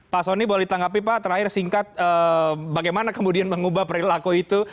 pak soni boleh ditanggapi pak terakhir singkat bagaimana kemudian mengubah perilaku itu